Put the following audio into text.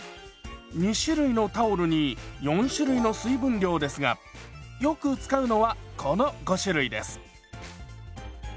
２種類のタオルに４種類の水分量ですがよく使うのはこの５種類です。